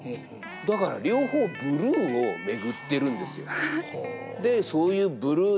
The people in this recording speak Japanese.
だから両方ブルーを巡ってるんですよ。